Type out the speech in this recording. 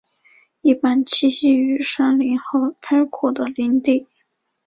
一般栖息于山林和开阔的林地。